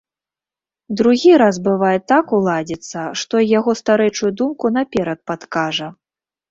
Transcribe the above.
Другі раз бывае так уладзіцца, што й яго старэчую думку наперад падкажа.